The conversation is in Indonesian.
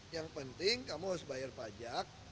yang penting kamu harus bayar pajak